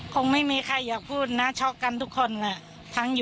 คงไม่มีใครอยากพูดนะช็อกกันทุกคนแหละ